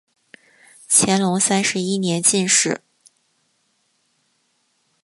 乾隆三十一年进士。